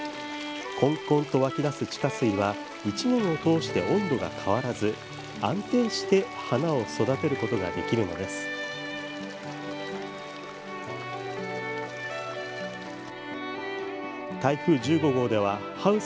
こんこんと湧き出す地下水は１年を通して温度が変わらず安定して花を育てることができるのです。